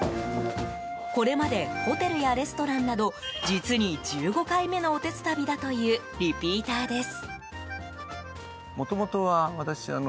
これまでホテルやレストランなど実に１５回目のおてつたびだというリピーターです。